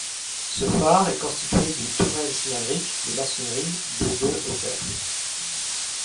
Ce phare est constitué d'une tourelle cylindrique de maçonnerie de de hauteur.